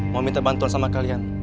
mau minta bantuan sama kalian